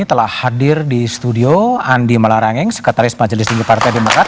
telah hadir di studio andi malarangeng sekretaris majelis tinggi partai demokrat